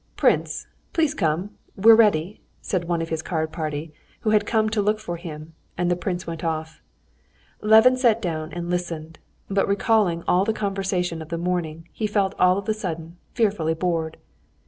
"Prince, please come, we're ready," said one of his card party, who had come to look for him, and the prince went off. Levin sat down and listened, but recalling all the conversation of the morning he felt all of a sudden fearfully bored.